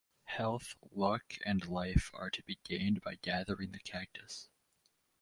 Health, luck, and life are to be gained by gathering the cactus.